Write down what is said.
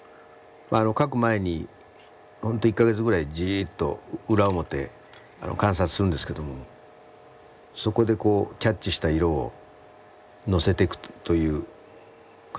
描く前に本当１か月ぐらいじっと裏表観察するんですけどもそこでこうキャッチした色を載せていくという感じですかね。